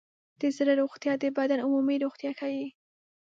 د زړه روغتیا د بدن عمومي روغتیا ښيي.